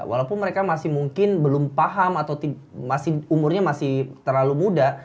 walaupun mereka masih mungkin belum paham atau masih umurnya masih terlalu muda